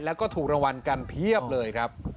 แล้วก็ถูกรางวัลกันเพียบเลยครับ